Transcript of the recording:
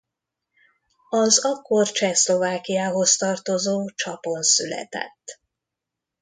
Az akkor Csehszlovákiához tartozó Csapon született.